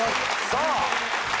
さあ